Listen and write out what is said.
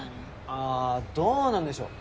ああどうなんでしょう。